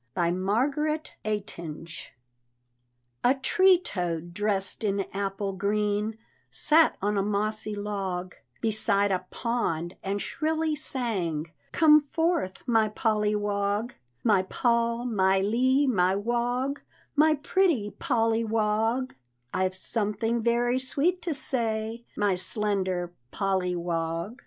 BY MARGARET EYTINGE. A tree toad dressed in apple green Sat on a mossy log Beside a pond, and shrilly sang, "Come forth, my Polly Wog My Pol, my Ly, my Wog, My pretty Polly Wog, I've something very sweet to say, My slender Polly Wog!